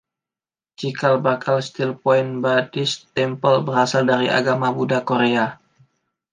Cikal bakal Still Point Buddhist Temple berasal dari agama Buddha Korea.